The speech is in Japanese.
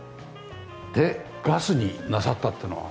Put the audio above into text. でガスになさったっていうのは？